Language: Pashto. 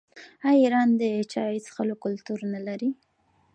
آیا ایران د چای څښلو کلتور نلري؟